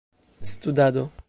studado